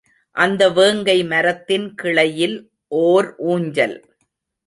அந்த வேங்கை மரத்தின் கிளையில் ஓர் ஊஞ்சல்.